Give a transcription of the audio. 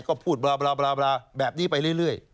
ก็พูดแบบนี้ไปเรื่อย